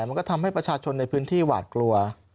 มันก็ทำให้ประชาชนในพื้นที่หวาดกลัว